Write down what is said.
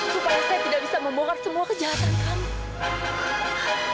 supaya saya tidak bisa membongkar semua kejahatan kami